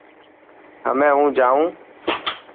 همي هون جائون.